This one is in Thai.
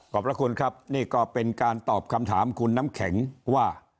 พระคุณครับนี่ก็เป็นการตอบคำถามคุณน้ำแข็งว่า